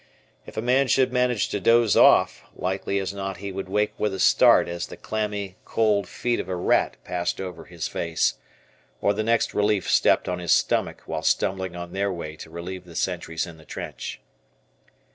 If a man should manage to doze off, likely as not he would wake with a start as the clammy, cold feet of a rat passed over his face, or the next relief stepped on his stomach while stumbling on their way to relieve the sentries in the trench.